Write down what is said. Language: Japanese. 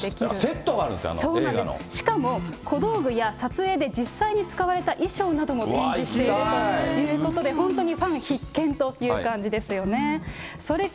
しかも小道具や撮影で実際に使われた衣装なども展示しているということで、本当にファン必見という感じですよね。